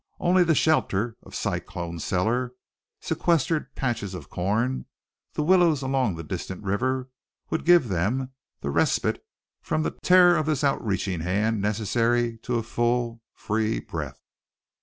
Only the shelter of cyclone cellar, sequestered patches of corn, the willows along the distant river, would give them the respite from the terror of this outreaching hand necessary to a full, free breath.